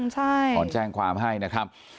ใช่ขอแจ้งความให้นะครับ